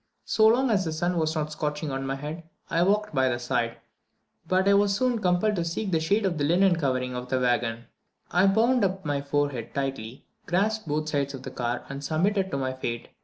So long as the sun was not scorching on my head, I walked by the side, but I was soon compelled to seek the shade of the linen covering of the wagon. I bound up my forehead tightly, grasped both sides of the car, and submitted to my fate.